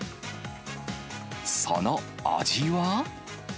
その味は？